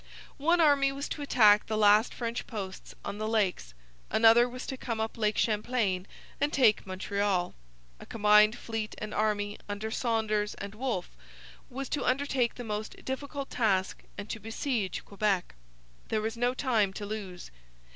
One army was to attack the last French posts on the Lakes. Another was to come up Lake Champlain and take Montreal. A combined fleet and army, under Saunders and Wolfe, was to undertake the most difficult task and to besiege Quebec. There was no time to lose.